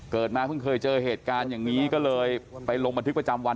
มาเพิ่งเคยเจอเหตุการณ์อย่างนี้ก็เลยไปลงบันทึกประจำวัน